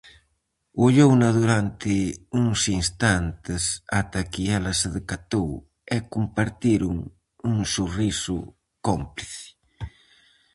Ollouna durante uns instantes ata que ela se decatou, e compartiron un sorriso cómplice.